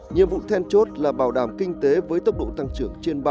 nhiệm vụ then chốt là bảo đảm kinh tế với tốc độ tăng trưởng trên ba mươi